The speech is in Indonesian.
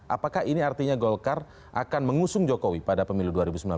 apakah ini artinya golkar akan mengusung jokowi pada pemilu dua ribu sembilan belas